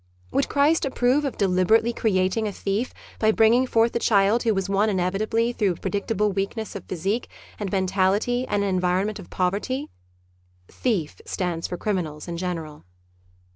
Would Christ approve of deliberately creating a thief by bringing forth a child who was one inevitably through predictable weakness of physique and mentality and an environment of poverty ?(" Thief ' stands for criminals in general.)